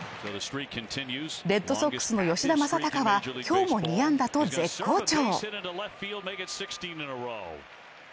レッドソックスの吉田正尚は今日も２安打と絶好調。